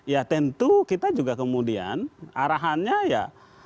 ya tentu kita juga kemudian arahannya ya